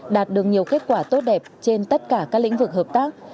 đạt được nhiều kết quả tốt đẹp trên tất cả các lĩnh vực hợp tác